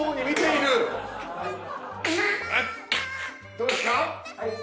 どうですか？